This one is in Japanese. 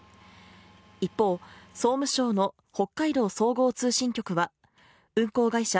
一方総務省の北海道総合通信局は運航会社